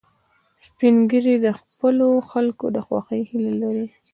سپین ږیری د خپلو خلکو د خوښۍ هیله لري